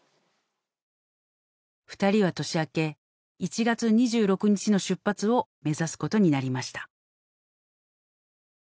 ２人は年明け１月２６日の出発を目指すことになりました。